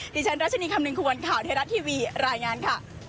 ดิฉันรัชนีคำนึงควรข่าวไทยรัฐทีวีรายงานค่ะ